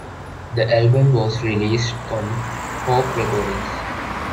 The album was released on Hope Recordings.